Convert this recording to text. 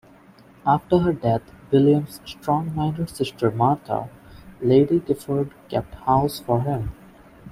After her death William's strong-minded sister Martha, Lady Giffard kept house for him.